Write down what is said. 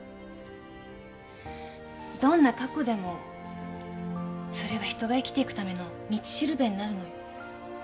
どんな過去でもそれは人が生きていくための道しるべになるのよ。